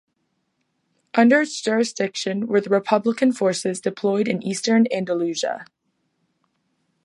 Under its jurisdiction were the republican forces deployed in Eastern Andalusia.